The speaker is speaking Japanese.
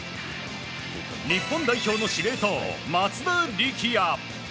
日本代表の司令塔・松田力也。